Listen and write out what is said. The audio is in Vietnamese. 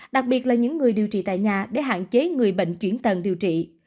đặc biệt là những người điều trị tại nhà để hạn chế người bệnh chuyển tận điều trị